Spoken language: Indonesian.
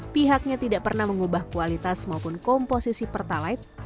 pihaknya tidak pernah mengubah kualitas maupun komposisi pertalite